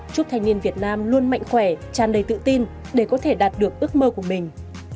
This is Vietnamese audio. chúc thanh niên việt nam luôn mạnh khỏe tràn đầy tự tin để có thể đạt được ước mơ của mình